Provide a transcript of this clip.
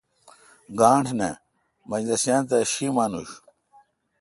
گانٹھ نہ۔ منجلسیان تہ شی مانوش۔